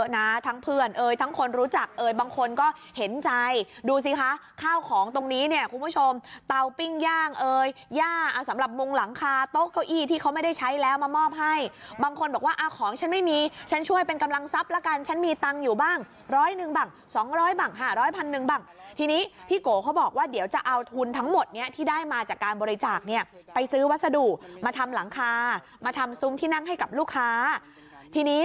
หลังคาโต๊ะเก้าอี้ที่เขาไม่ได้ใช้แล้วมามอบให้บางคนบอกว่าอ่าของฉันไม่มีฉันช่วยเป็นกำลังทรัพย์ละกันฉันมีตังค์อยู่บ้างร้อยหนึ่งบังสองร้อยบังห้าร้อยพันหนึ่งบังทีนี้พี่โกเขาบอกว่าเดี๋ยวจะเอาทุนทั้งหมดเนี่ยที่ได้มาจากการบริจาคเนี่ยไปซื้อวัสดุมาทำหลังคามาทำซุ้มที่นั่งให